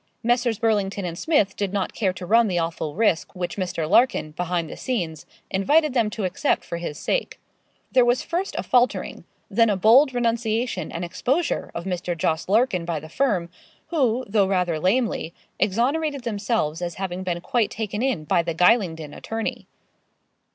Messrs. Burlington and Smith did not care to run the awful risk which Mr. Larkin, behind the scenes, invited them to accept for his sake. There was first a faltering; then a bold renunciation and exposure of Mr. Jos. Larkin by the firm, who, though rather lamely, exonerated themselves as having been quite taken in by the Gylingden attorney.